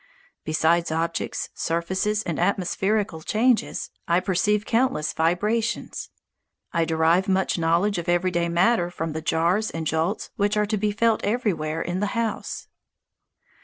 Besides objects, surfaces, and atmospherical changes, I perceive countless vibrations. I derive much knowledge of everyday matter from the jars and jolts which are to be felt everywhere in the house.